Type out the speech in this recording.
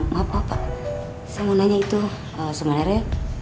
maaf apa pak saya mau nanya itu sebenarnya